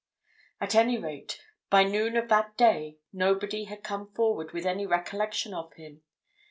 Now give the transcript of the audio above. At any rate, by noon of that day, nobody had come forward with any recollection of him.